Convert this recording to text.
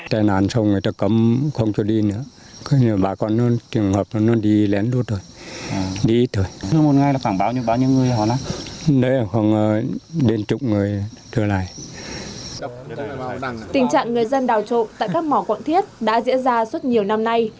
tình trạng người dân đào trộn tại các mỏ quạng thiết đã diễn ra suốt nhiều năm nay